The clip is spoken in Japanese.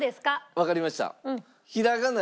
わかりました。